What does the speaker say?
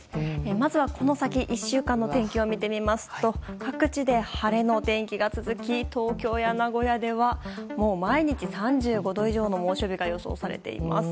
まずは、この先１週間の天気を見てみますと各地で晴れのお天気が続き東京や名古屋では毎日３５度以上の猛暑日が予想されています。